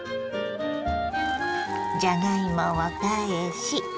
じゃがいもを返し